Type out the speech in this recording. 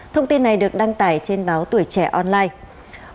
thông tin này được đăng tải trên báo tuổi trẻ online